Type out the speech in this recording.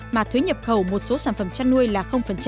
mà thuế nhập khẩu một số sản phẩm chăn nuôi là